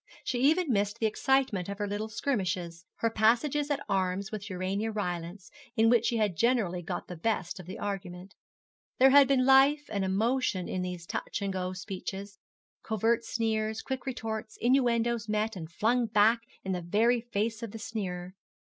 She even missed the excitement of her little skirmishes, her passages at arms, with Urania Rylance, in which she had generally got the best of the argument. There had been life and emotion in these touch and go speeches, covert sneers, quick retorts, innuendoes met and flung back in the very face of the sneerer.